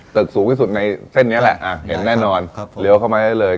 สูงที่สุดในเส้นนี้แหละเห็นแน่นอนเลี้ยวเข้ามาได้เลย